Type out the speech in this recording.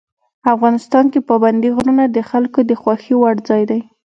افغانستان کې پابندي غرونه د خلکو د خوښې وړ ځای دی.